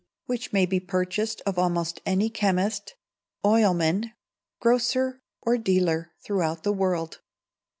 which may be purchased of almost any chemist, oilman, grocer, or dealer, throughout the world.